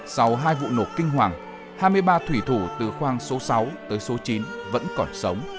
sau hai vụ nổ kinh hoàng hai mươi ba thủy thủ từ khoang số sáu tới số chín vẫn còn sống